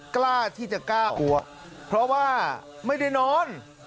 กล้าที่จะกล้าอวกเพราะว่าไม่ได้นอน